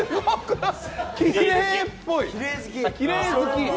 きれい好き。